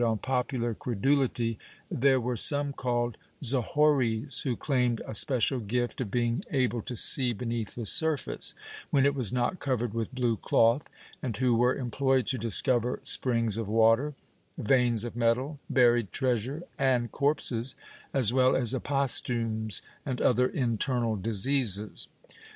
VIII] INFERENTIAL HERESY lg7 popular credulity there were some called zahories, who claimed a special gift of being able to sec beneath the surface when it was not covered with blue cloth, and who were employed to discover springs of water, veins of metal, buried treasure and corpses, as well as aposthumes and other internal diseases.